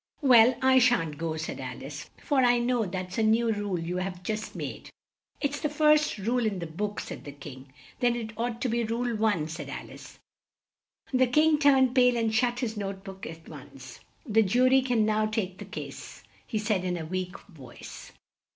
"Well, I shan't go," said Al ice, "for I know that's a new rule you have just made." "It's the first rule in the book," said the King. "Then it ought to be Rule One," said Al ice. The King turned pale and shut his note book at once. "The ju ry can now take the case," he said in a weak voice.